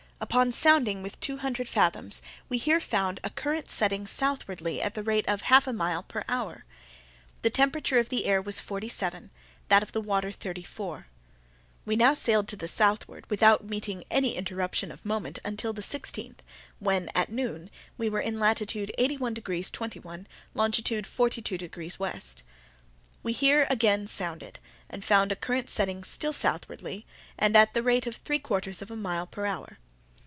Upon sounding with two hundred fathoms, we here found a current setting southwardly at the rate of half a mile per hour. The temperature of the air was forty seven, that of the water thirty four. We now sailed to the southward without meeting any interruption of moment until the sixteenth, when, at noon, we were in latitude 81 degrees 21', longitude 42 degrees W. We here again sounded, and found a current setting still southwardly, and at the rate of three quarters of a mile per hour.